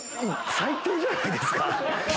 最低じゃないですか。